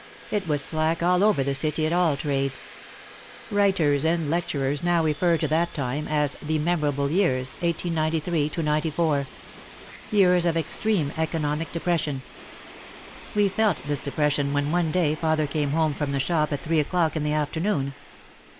It was slack all over the city at all trades. Writers and lecturers now refer to that time as "the memorable years, 1893 94. Years of extreme economic depression." We felt this depres sion when one day father came home from the shop at three o'clock in the afternoon.